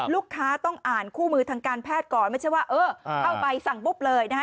ลูกค้าต้องอ่านคู่มือทางการแพทย์ก่อนไม่ใช่ว่าเออเข้าไปสั่งปุ๊บเลยนะคะ